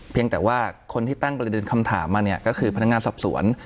แต่ว่าคนที่ตั้งประเด็นคำถามมาเนี่ยก็คือพนักงานสอบสวน